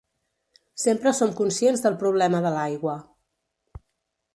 Sempre som conscients del problema de l'aigua.